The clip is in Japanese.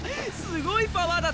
すごいパワーだ